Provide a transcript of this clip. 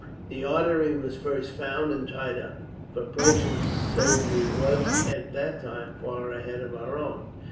The artery was first found and tied up; for Prussian surgery was, at that time, far ahead of our own.